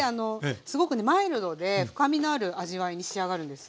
すごくねマイルドで深みのある味わいに仕上がるんです。